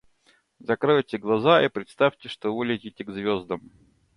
Закройте глаза и представьте, что вы летите к звездам.